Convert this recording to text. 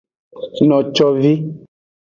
Nocovi.